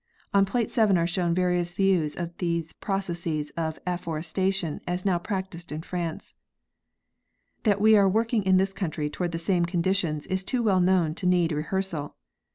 On plate 7 are shown various views of these processes of afforestation as now practiced in France. That we are working in this country toward the same condi tions is too well known to need rehearsal.